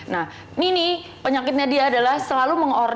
nah ini nih penyakitnya dia adalah selalu mengoperasikan